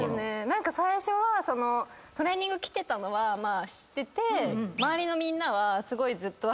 何か最初はトレーニング来てたのはまあ知ってて周りのみんなはすごいずっと。